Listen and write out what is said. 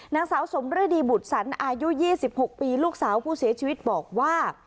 นางสาวสมฤดีบุตรสันอายุ๒๖ปีลูกสาวผู้เสียชีวิตบอกว่า